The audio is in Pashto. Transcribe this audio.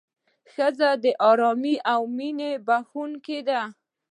ښځه د ارامۍ او مینې بښونکې ده.